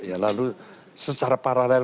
ya lalu secara paralel